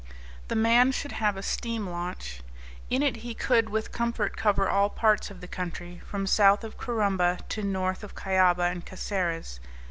The man should have a steam launch. In it he could with comfort cover all parts of the country from south of Corumbra to north of Cuyaba and Caceres.